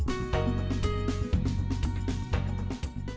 để không bỏ lỡ những video hấp dẫn